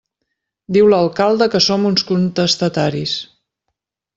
Diu l'alcalde que som uns contestataris.